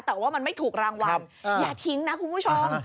แต่ว่ามันไม่ถูกรางวัลอย่าทิ้งนะคุณผู้ชม